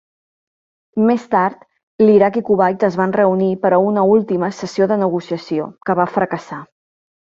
Més tard, l'Iraq i Kuwait es van reunir per a una última sessió de negociació, que va fracassar.